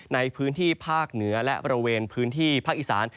ในพื้นที่ภาคเหนือและบริเวณพื้นที่ภาคอีสาน